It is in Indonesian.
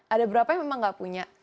ada beberapa yang memang nggak punya